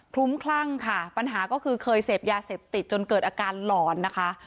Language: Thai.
ลุ้มคลั่งค่ะปัญหาก็คือเคยเสพยาเสพติดจนเกิดอาการหลอนนะคะ